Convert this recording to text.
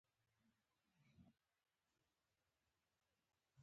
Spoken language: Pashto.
ته به څه کوې چې تنده دې ماته او له مرګه بچ شې.